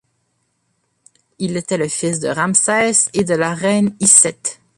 Il était le fils de Ramsès et de la reine Iset.